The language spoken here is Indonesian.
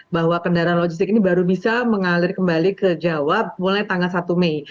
bahwa kendaraan logistik ini baru bisa mengalir kembali ke jawa mulai tanggal satu mei